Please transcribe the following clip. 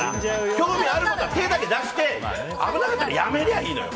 興味があることは手だけ出して合わなけりゃやめりゃいいのよ。